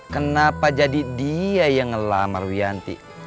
kenapa jadi dia yang ngelamar wiyanti